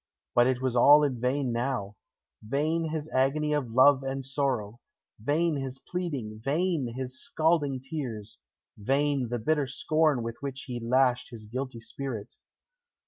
But it was all in vain now vain his agony of love and sorrow; vain his pleading; vain his scalding tears; vain the bitter scorn with which he lashed his guilty spirit.